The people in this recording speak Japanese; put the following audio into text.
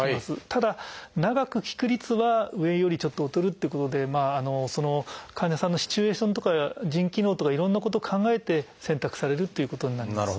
ただ長く効く率は上よりちょっと劣るっていうことで患者さんのシチュエーションとか腎機能とかいろんなこと考えて選択されるということになります。